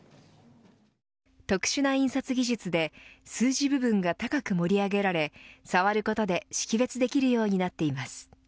特殊な印刷技術で数字部分が高く盛り上げられさわることで識別できるようになっています。